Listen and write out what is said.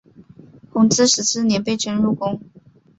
弘治十四年被征入宫。